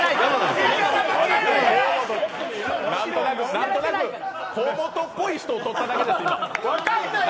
何となく河本っぽい人を撮っただけ。